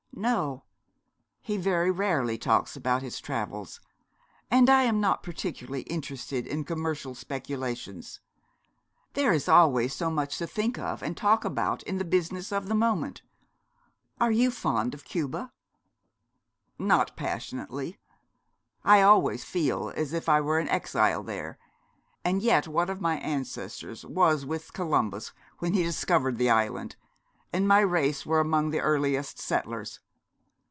'No, he very rarely talks about his travels: and I am not particularly interested in commercial speculations. There is always so much to think of and talk about in the business of the moment. Are you fond of Cuba?' 'Not passionately. I always feel as if I were an exile there, and yet one of my ancestors was with Columbus when he discovered the island, and my race were among the earliest settlers.